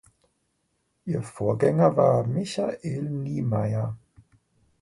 Ihr Vorgänger war Michael Niemeier.